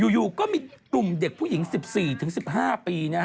อยู่ก็มีกลุ่มเด็กผู้หญิง๑๔๑๕ปี